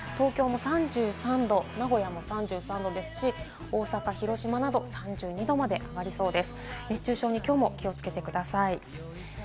東京も３３度、名古屋も３３度ですし、大阪、広島など３２度まで上がりそうです。